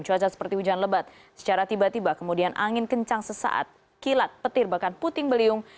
cuaca seperti hujan lebat secara tiba tiba kemudian angin kencang sesaat kilat petir bahkan puting beliung